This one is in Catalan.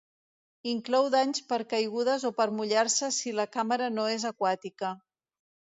Inclou danys per caigudes o per mullar-se si la càmera no es aquàtica.